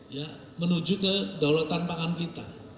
ya menuju ke daulatan pangan kita